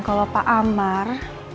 kalau pak amar